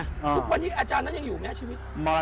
วันนี้อาจารย์นั้นยังอยู่ไหมชีวิต